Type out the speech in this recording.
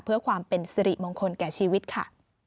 เพื่อความเป็นสิริมงคลแก่ชีวิตค่ะ